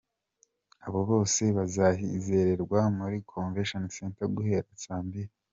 Abo bose bazazihererwa muri Convention Center guhera saa mbiri.